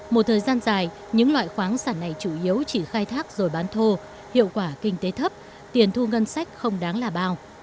một thời gian dài những loại khoáng sản này chủ yếu chỉ khai thác rồi bán thô hiệu quả kinh tế thấp tiền thu ngân sách không đáng là bao